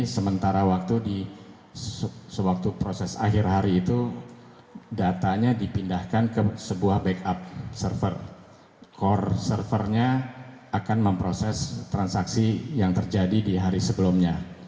servernya akan memproses transaksi yang terjadi di hari sebelumnya